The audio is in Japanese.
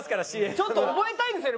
ちょっと覚えたいんですよね。